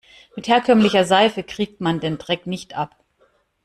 Mit herkömmlicher Seife kriegt man den Dreck nicht ab.